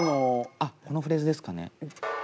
あっこのフレーズですかね？